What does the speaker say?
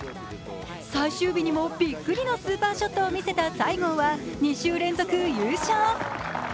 最終日にもびっくりのスーパーショットを見せた西郷は２週連続、優勝。